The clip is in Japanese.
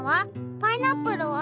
パイナップルは？